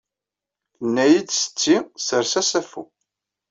Tenna-id setti, ssers assafu.